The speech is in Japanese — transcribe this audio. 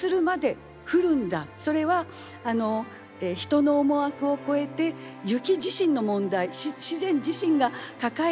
それは人の思惑を超えて雪自身の問題自然自身が抱えている。